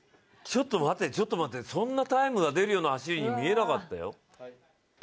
ちょっと待って、ちょっと待って、そんなタイムが出る走りに見えなかったよ。